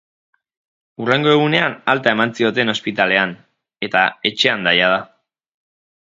Hurrengo egunean alta eman zioten ospitalean eta etxean da jada.